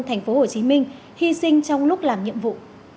tp hcm hy sinh trong lúc làm nhiệm vụ